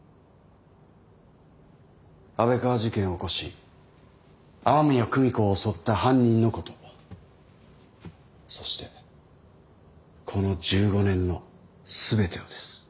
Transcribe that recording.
安倍川事件を起こし雨宮久美子を襲った犯人のことそしてこの１５年の全てをです。